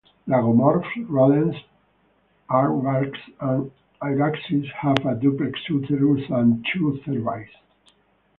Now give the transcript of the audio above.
Lagomorphs, rodents, aardvarks and hyraxes have a duplex uterus and two cervices.